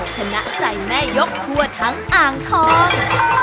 ชนะใจแม่ยกทั่วทั้งอ่างทอง